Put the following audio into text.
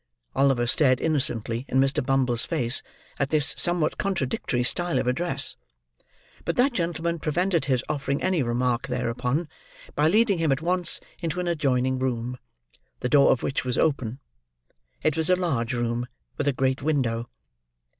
Oliver stared innocently in Mr. Bumble's face at this somewhat contradictory style of address; but that gentleman prevented his offering any remark thereupon, by leading him at once into an adjoining room: the door of which was open. It was a large room, with a great window.